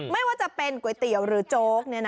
ไม่ว่าจะเป็นก๋วยเตี๋ยวหรือโจ๊ก